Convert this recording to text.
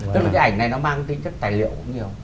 tức là cái ảnh này nó mang tính chất tài liệu cũng nhiều